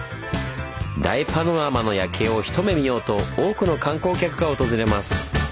大パノラマの夜景を一目見ようと多くの観光客が訪れます。